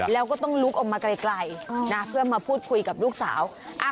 แล้วก็ต้องลุกออกมาไกลนะเพื่อมาพูดคุยกับลูกสาว